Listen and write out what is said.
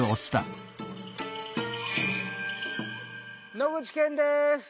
野口健です！